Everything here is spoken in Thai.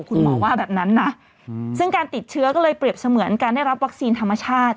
คุณหมอว่าแบบนั้นนะซึ่งการติดเชื้อก็เลยเปรียบเสมือนการได้รับวัคซีนธรรมชาติ